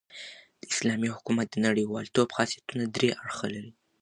د اسلامي حکومت د نړۍوالتوب خاصیتونه درې اړخه لري.